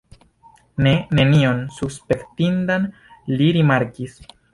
Ne, nenion suspektindan li rimarkis.